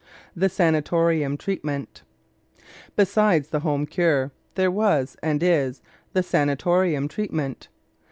THE SANATORIUM TREATMENT Besides the home cure there was, and is, the sanatorium treatment.